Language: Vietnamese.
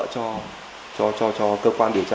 cho cơ quan điều tra